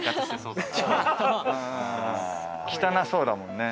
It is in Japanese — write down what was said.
汚そうだもんね。